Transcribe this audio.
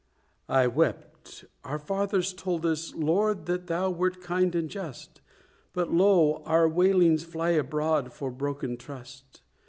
I wept "Our fathers told us, Lord, That Thou wert kind and just, But lo! our wailings fly abroad For broken trust.